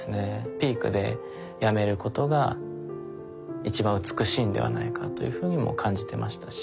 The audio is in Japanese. ピークでやめることが一番美しいんではないかというふうにも感じてましたし。